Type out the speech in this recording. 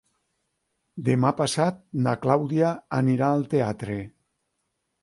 Demà passat na Clàudia anirà al teatre.